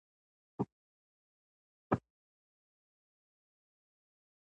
پېیر کوري د راډیوم د کشف پایله تایید کړه.